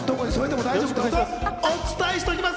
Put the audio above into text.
お伝えしておきます。